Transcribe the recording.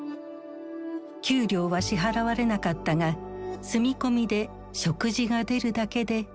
給料は支払われなかったが住み込みで食事が出るだけでありがたかった。